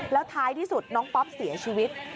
แล้วท้ายที่สุดน้องป๊อปเสียชีวิต